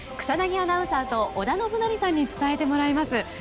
草薙アナウンサーと織田信成さんに伝えてもらいます。